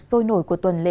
sôi nổi của tuần lễ